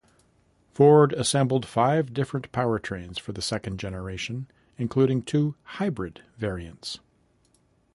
Ford assembled five different powertrains for the second generation, including two hybrid variants.